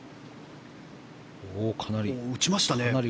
打ちましたね。